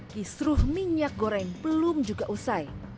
kisruh minyak goreng belum juga usai